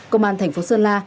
công an thành phố sơn la